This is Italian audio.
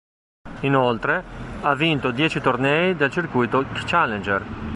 Inoltre, ha vinto dieci tornei nel circuito Challenger.